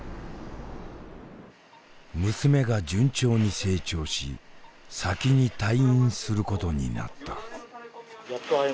娘が順調に成長し先に退院することになった。